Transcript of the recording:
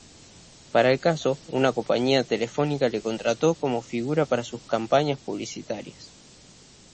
Para el caso, una compañía telefónica le contrató como figura para sus campañas publicitarias.